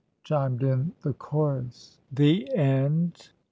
chimed in the chorus. THE END.